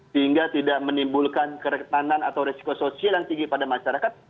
sehingga tidak menimbulkan keretanan atau resiko sosial yang tinggi pada masyarakat